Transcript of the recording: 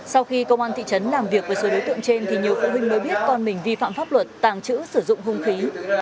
sau khi công an thị trấn làm việc với số đối tượng trên thì nhiều phụ huynh mới biết con mình vi phạm pháp luật tàng trữ sử dụng hung khí